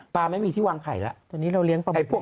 ปลาไม่มีที่วางไข่แล้ว